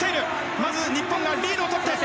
まず日本がリードをとって。